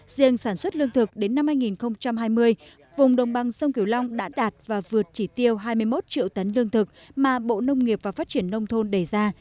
riêng sản xuất lương thực đến năm hai nghìn hai mươi vùng đồng bằng sông kiều long đã đạt và vượt chỉ tiêu hai mươi một triệu tấn lương thực mà bộ nông nghiệp và phát triển nông thôn đề ra